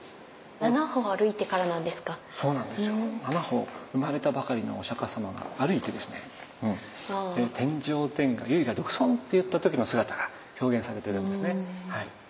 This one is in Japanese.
７歩生まれたばかりのお釈様が歩いてですね「天上天下唯我独尊」って言った時の姿が表現されてるんですねはい。